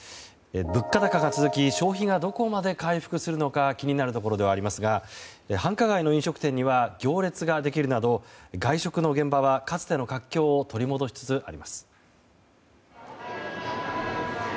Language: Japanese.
物価高が続き消費がどこまで回復するのか気になるところではありますが繁華街の飲食店には行列ができるなど外食の現場はかつての活気を取り戻しつつあります。